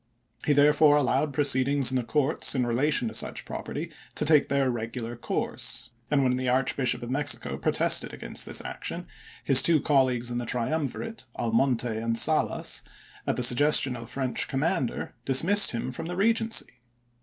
He therefore allowed proceedings in the courts in relation to such property to take their regular course, and when the Archbishop of Mexico pro MAXIMILIAN 417 tested against this action, his two colleagues in the chap. xiv. triumvirate, Almonte and Salas, at the suggestion of the French commander, dismissed him from the Regency.